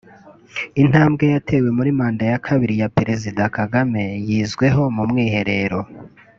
Intambwe yatewe muri manda ya Kabiri ya Perezida Kagame yizweho mu Mwiherero